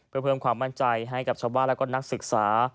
เพื่อเพิ่มความมั่นใจให้กับชาวบ้านและก็นักศึกษา